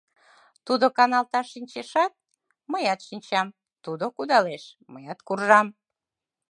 Тудо каналташ шинчешат, мыят шинчам; тудо кудалеш, — мыят куржам...